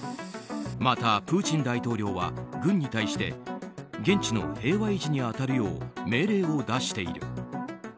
また、プーチン大統領は軍に対して現地の平和維持に当たるよう命令を出している。